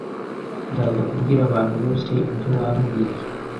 Nzajya kubwira abantu bose ibyo wambwiye